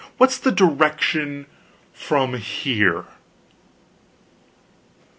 What's the direction from here?"